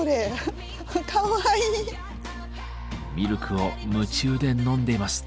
ミルクを夢中で飲んでいます。